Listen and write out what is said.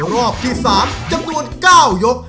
รอบที่๓จำนวน๙ยก